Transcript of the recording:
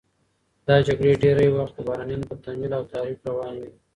دا جګړې ډېری وخت د بهرنیانو په تمویل او تحریک روانې وې.